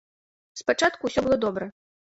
Спачатку ўсё было добра.